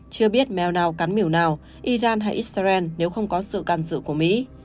chưa biết mèo nào cắn mỉu nào iran hay israel nếu không có sự càng dự của mỹ